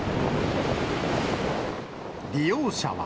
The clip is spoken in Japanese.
利用者は。